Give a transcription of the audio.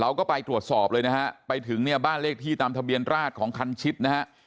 เราก็ไปตรวจสอบเลยนะฮะไปถึงเนี่ยบ้านเลขที่ตามทะเบียนราชของคันชิดนะฮะ